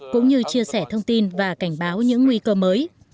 cũng như chia sẻ thông tin và cảnh báo những nguy cơ mới